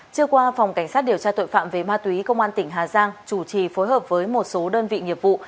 trưa qua phòng cảnh sát điều tra tội phạm về ma túy công an tỉnh hà giang chủ trì phối hợp với một số đơn vị nghiệp vụ